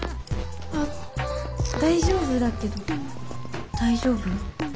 あっ大丈夫だけど大丈夫？